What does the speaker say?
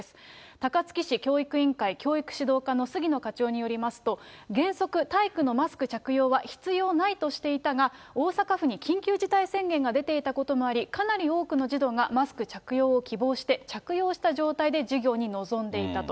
高槻市教育委員会教育指導課の杉野課長によりますと原則、体育のマスク着用は必要ないとしていたが、大阪府の緊急事態宣言が出ていたこともあり、かなり多くの児童がマスク着用を希望して、着用した状態で授業に臨んでいたと。